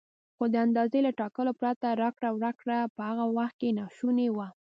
خو د اندازې له ټاکلو پرته راکړه ورکړه په هغه وخت کې ناشونې وه.